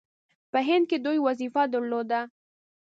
په هند کې دوی وظیفه درلوده.